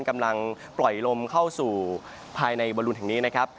กำลังปล่อยลมเข้าสู่ภายในบรุนแห่งนี้นะครับ